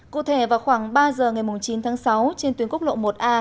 cụ thể vào khoảng ba giờ ngày chín tháng sáu trên tuyến quốc lộ một a